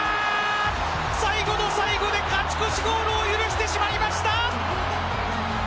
最後の最後で勝ち越しゴールを許してしまいました。